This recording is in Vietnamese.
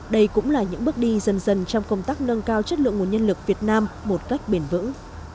đây cũng là những bước đi dần dần trong công tác nâng cao chất lượng nguồn nhân lực việt nam một cách bền vững